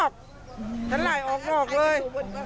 ออกมาออกนอกฉันไหล่ออกนอกเลย